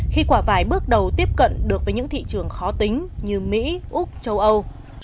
khi quả vải bước đầu tiếp cận được với những thị trường khó tính như mỹ úc châu âu